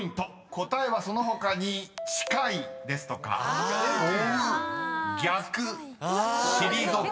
答えはその他に「近い」ですとか「追う」「逆」「退く」］